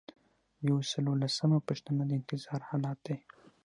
یو سل او لسمه پوښتنه د انتظار حالت دی.